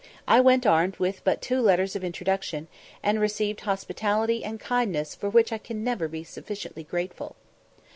I went armed with but two letters of introduction, and received hospitality and kindness for which I can never be sufficiently grateful.